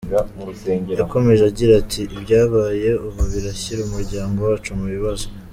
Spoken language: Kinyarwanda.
Yakomeje agira ati “Ibyabaye ubu birashyira umuryango wacu mu bibazo.